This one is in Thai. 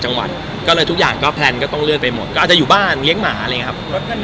จางหวัดก็เลยทุกอย่างก็ต้องเลื่อนไปหมดก็อาจอยู่บ้านเลี้ยงหมาอะไรครับ